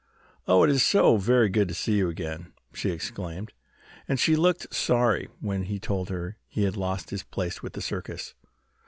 "Oh, it is very good to see you again," she exclaimed, and she looked sorry when he told her he had lost his place with the circus.